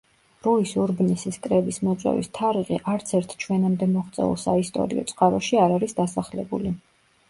რუის-ურბნისის კრების მოწვევის თარიღი არც ერთ ჩვენამდე მოღწეულ საისტორიო წყაროში არ არის დასახლებული.